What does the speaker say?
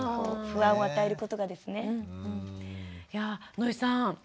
野井さん